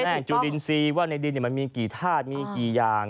จุลินทรีย์ว่าในดินมันมีกี่ธาตุมีกี่อย่าง